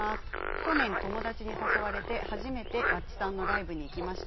去年、友達に誘われて初めてｗａｃｃｉのライブに行きました。